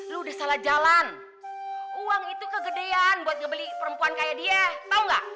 lu udah salah jalan uang itu kegedean buat beli perempuan kayak dia tau gak